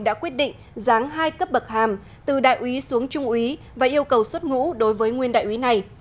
đã quyết định giáng hai cấp bậc hàm từ đại ủy xuống trung ủy và yêu cầu xuất ngũ đối với nguyên đại ủy này